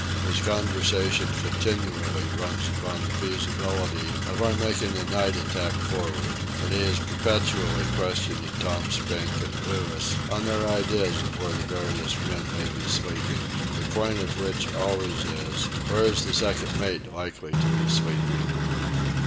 His conversation continually runs upon the feasibility of our making a night attack for'ard, and he is perpetually questioning Tom Spink and Louis on their ideas of where the various men may be sleeping—the point of which always is: Where is the second mate likely to be sleeping?